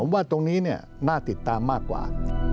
ว่าตรงนี้น่าติดตามมากกว่า